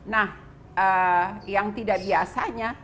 nah yang tidak biasanya